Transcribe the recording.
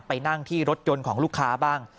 นั่งที่รถยนต์ของลูกค้าบ้าง